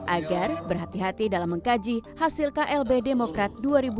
agar berhati hati dalam mengkaji hasil klb demokrat dua ribu dua puluh